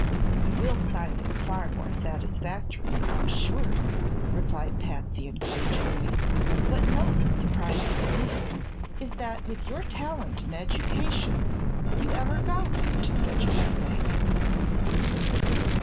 "You will find it far more satisfactory, I'm sure," replied Patsy encouragingly. "What most surprises me is that with your talent and education you ever got into such bad ways."